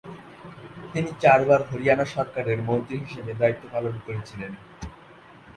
তিনি চারবার হরিয়ানা সরকারের মন্ত্রী হিসেবে দায়িত্ব পালন করেছিলেন।